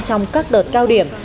trong các đợt cao điểm